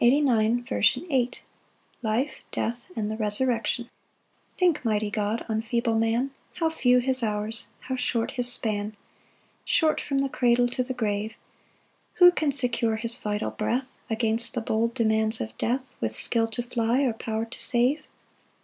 47 &c. Last Part. As the 113th Psalm. Life, death, and the resurrection. 1 Think, mighty God, on feeble man, How few his hours, how short his span! Short from the cradle to the grave: Who can secure his vital breath Against the bold demands of death, With skill to fly, or power to save?